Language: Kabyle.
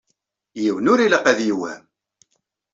Yiwen ur ilaq ad yewhem.